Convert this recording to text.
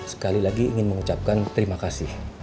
sekali lagi ingin mengucapkan terima kasih